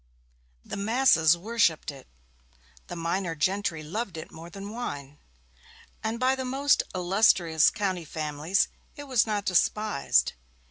The masses worshipped it, the minor gentry loved it more than wine, and by the most illustrious county families it was not despised.